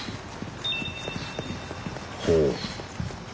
ほう。